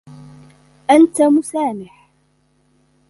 أنت مُسامح.